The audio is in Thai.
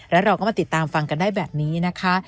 แล้วเราก็มาติดตามฟังกันได้แบบนี้นะคะ